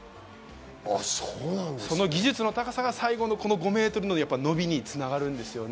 その技術の高さが最後５ｍの伸びに繋がるんですよね。